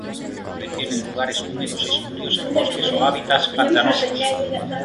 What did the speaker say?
Prefieren lugares húmedos y sombríos en bosques o hábitats pantanosos.